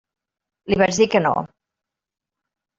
Li vaig dir que no.